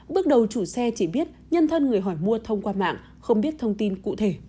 bước đầu chủ xe chỉ biết nhân thân người hỏi mua thông qua mạng không biết thông tin cụ thể